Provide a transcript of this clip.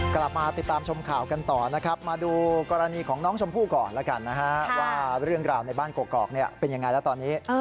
กลับมาติดตามชมข่าวกันต่อนะครับมาดูกรณีของน้องชมพู่ก่อนแล้วกันนะฮะว่าเรื่องราวในบ้านกรอกเป็นยังไงแล้วตอนนี้